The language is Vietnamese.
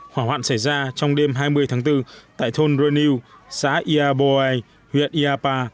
hỏa hoạn xảy ra trong đêm hai mươi tháng bốn tại thôn renew xã yaboai huyện yapa